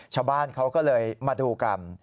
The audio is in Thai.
ชาวบ้านเขาก็เลยมาดูกัน